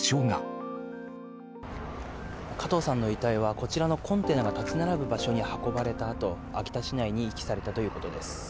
加藤さんの遺体は、こちらのコンテナが立ち並ぶ場所に運ばれたあと、秋田市内に遺棄されたということです。